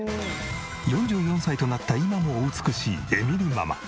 ４４歳となった今もお美しいエミリママ。